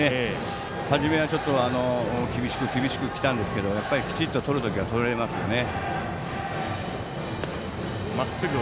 初めは、ちょっと厳しく厳しくきたんですけどやっぱりきちっととる時はとられますよね。